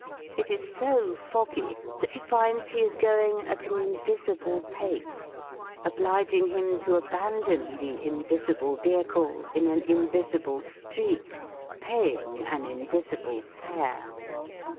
It is so foggy that he finds he is going at an invisible pace, obliging him to abandon the invisible vehicle in an invisible street, paying an invisible fare.